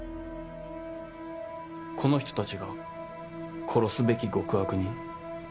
この人たちが殺すべき極悪人？